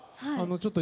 ちょっと！